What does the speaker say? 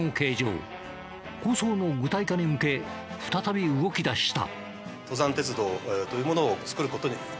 構想の具体化に向け再び動きだした。